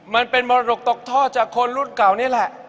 มันเป็นมรดกตกท่อจากคนรุ่นเก่านี่แหละ